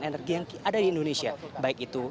energi yang ada di indonesia baik itu